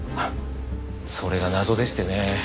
それが謎でしてね。